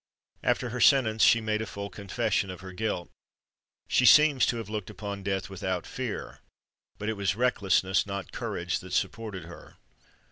After her sentence, she made a full confession of her guilt. She seems to have looked upon death without fear; but it was recklessness, not courage, that supported her.